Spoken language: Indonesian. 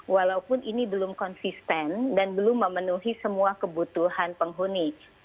walaupun ini belum konsisten dan belum memenuhi semua kebutuhan penghuni